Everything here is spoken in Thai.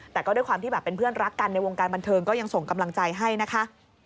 แต่ก็ด้วยความที่แบบเป็นเพื่อนรักกันในวงการบันเทิงก็ยังส่งกำลังใจให้นะคะ